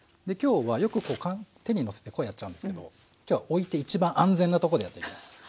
で今日はよくこう手にのせてこうやっちゃうんですけど今日は置いて一番安全なところでやっていきます。